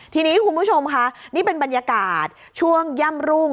ทีนี้คุณผู้ชมค่ะนี่เป็นบรรยากาศช่วงย่ำรุ่ง